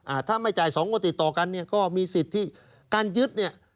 อ่าถ้าไม่จ่ายสองงวดติดต่อกันเนี่ยก็มีสิทธิ์ที่การยึดเนี่ย